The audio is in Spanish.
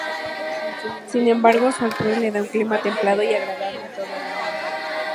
Sin embargo, su altura le da un clima templado y agradable todo el año.